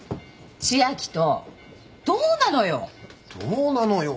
千明とどうなのよ？